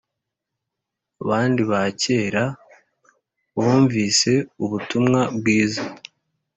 bandi ba kera bumvise ubutumwa bwiza